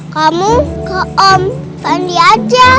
kamu ke om sandi aja